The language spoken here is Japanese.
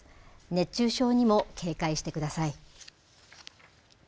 熱中症にも警戒してください。